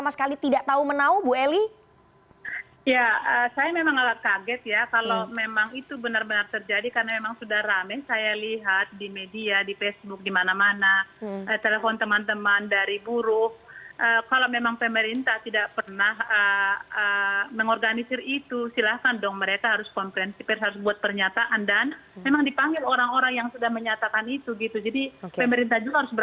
saya kira memang pemerintah harus